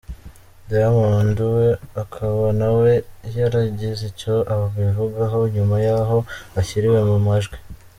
Diamond we akaba nawe yaragize icyo abivugaho nyuma yaho ashyiriwe mu majwi.